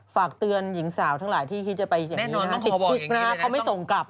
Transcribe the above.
ฝากเตือนหญิงสาวทั้งหลายที่คิดจะไปอย่างนี้นะฮะติดคุกนะฮะเขาไม่ส่งกลับ